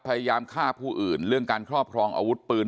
พยายามฆ่าผู้อื่นเรื่องการครอบครองอาวุธปืน